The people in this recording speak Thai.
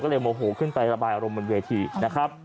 โมโหขึ้นไประบายอารมณ์บนเวทีนะครับ